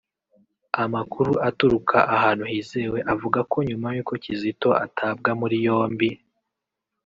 Amakuru aturuka ahantu hizewe avuga ko nyuma yuko kizito atabwa muri yombi